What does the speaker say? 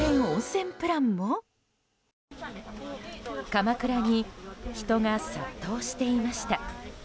鎌倉に人が殺到していました。